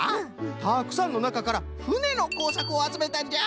たくさんのなかから「ふね」のこうさくをあつめたんじゃ。